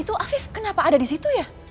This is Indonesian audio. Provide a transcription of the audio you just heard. itu aktif kenapa ada di situ ya